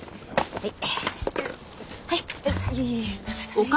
はい。